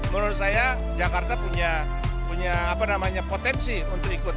menurut saya jakarta punya potensi untuk ikut